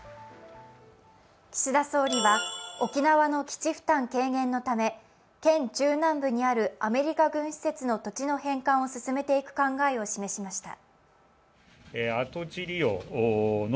岸田総理は、沖縄の基地負担軽減のため県中南部にあるアメリカ軍施設の土地の返還を進めていく考えを示しました。